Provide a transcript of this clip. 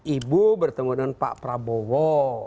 ibu bertemu dengan pak prabowo